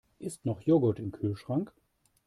Ist noch Joghurt im Kühlschrank?